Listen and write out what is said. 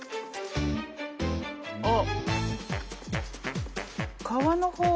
あっ。